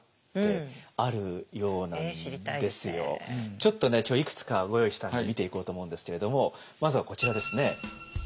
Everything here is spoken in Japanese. ちょっとね今日いくつかご用意したんで見ていこうと思うんですけれどもまずはこちらですね。